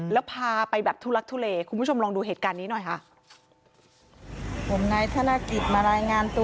แล้วพาไปแบบทุลักทุเลคุณผู้ชมลองดูเหตุการณ์นี้หน่อยค่ะ